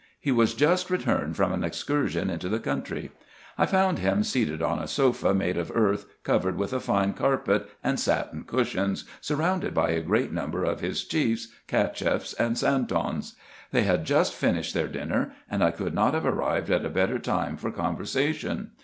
He was just returned from an excursion into the country. I found him seated on a sofa made of earth, covered with a fine carpet and satin cushions, sur rounded by a great number of his chiefs, Cacheffs, and San tons. They had just finished their dinner ; and I could not have arrived at a better time for conversation.